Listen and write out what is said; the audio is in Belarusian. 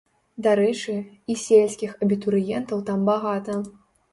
Дарэчы, і сельскіх абітурыентаў там багата.